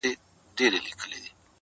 o په سل ځله دي غاړي ته لونگ در اچوم،